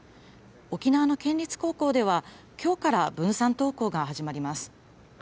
沖縄の県立高校では、きょうから分散登校が始まります。